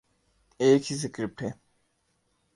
ایک ہی سکرپٹ ہے۔